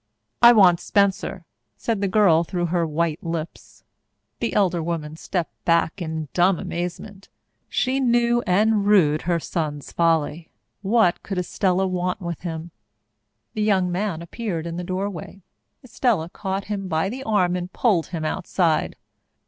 "I want Spencer," said the girl through her white lips. The elder woman stepped back in dumb amazement. She knew and rued her son's folly. What could Estella want with him? The young man appeared in the doorway. Estella caught him by the arm and pulled him outside.